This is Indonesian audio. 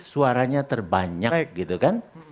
suaranya terbanyak gitu kan